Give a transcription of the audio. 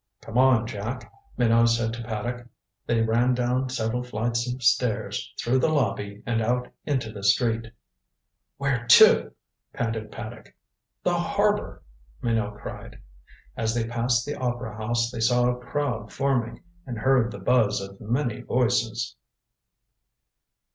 "Come on, Jack," Minot said to Paddock. They ran down several flights of stairs, through the lobby, and out into the street. "Where to?" panted Paddock. "The harbor!" Minot cried. As they passed the opera house they saw a crowd forming and heard the buzz of many voices.